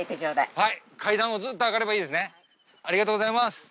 はい。